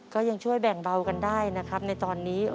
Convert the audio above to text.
ก็ยังช่วยแบ่งเบากันได้นะครับในตอนนี้